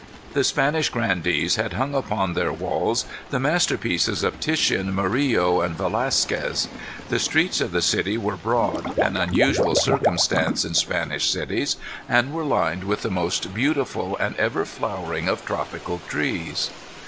The Spanish grandees had hung upon their walls the masterpieces of Titian, Murillo, and Velasquez. The streets of the city were broad, an unusual circumstance in Spanish cities, and were lined with the most beautiful and ever flowering of tropical trees.